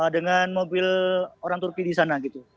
dengan mobil orang turki di sana gitu